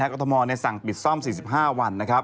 กรทมสั่งปิดซ่อม๔๕วัน